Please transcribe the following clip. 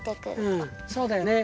うんそうだよね。